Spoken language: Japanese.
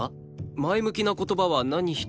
前向きな言葉は何一つ